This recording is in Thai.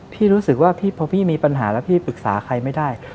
รู้สึกว่าพี่พอพี่มีปัญหาแล้วพี่ปรึกษาใครไม่ได้